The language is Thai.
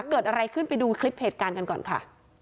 เกิดอะไรขึ้นไปดูคลิปเหตุการณ์กันก่อนค่ะ